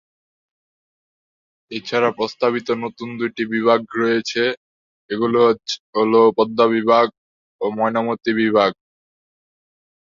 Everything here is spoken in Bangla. এছাড়া প্রস্তাবিত নতুন দুইটি বিভাগ রয়েছে এগুলো হলো পদ্মা বিভাগ ও ময়নামতি বিভাগ।